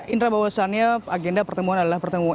indra bahwasannya agenda pertemuan adalah pertemuan